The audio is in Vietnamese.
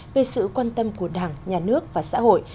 về sự quan tâm của đảng nhà nước và xã hội